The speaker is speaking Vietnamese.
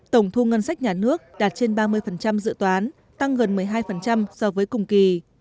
tổng thu ngân sách nhà nước đạt trên ba mươi dự toán tăng gần một mươi hai so với cùng kỳ